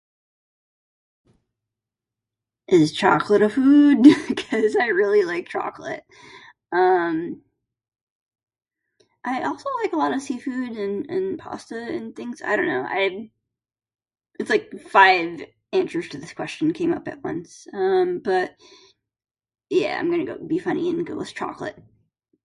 Is chocolate a food? 'Cause I really like chocolate. Um... I also like a lot of seafood and pasta and things... I don't know, I- it's like five answers to this question came up at once. Um, but, I'm gonna be funny and go with chocolate.